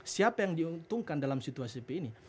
siapa yang diuntungkan dalam situasi ini